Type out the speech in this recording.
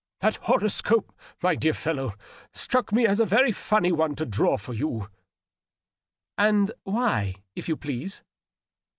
" That horoscope, my dear fellow, struck me as a very funny one to draw for you." "And why, if you please?"